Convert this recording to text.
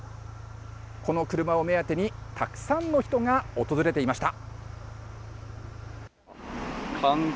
この車を目当てに、たくさんの人が訪れていました。